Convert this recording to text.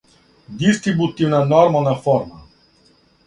дистрибутивна нормална форма